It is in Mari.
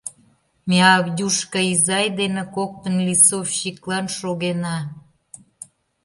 Ме Авдюшка изай дене коктын лисовщиклан шогена.